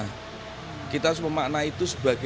terus kita tidak mampu memikul salib penderitaan kita